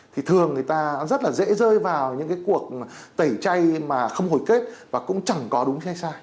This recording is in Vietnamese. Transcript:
thì thường người ta rất là dễ rơi vào những cái cuộc tẩy chay mà không hồi kết và cũng chẳng có đúng hay sai sai